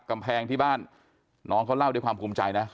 กำแพงที่บ้านน้องเขาเล่าด้วยความภูมิใจนะ